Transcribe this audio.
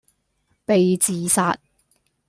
被自殺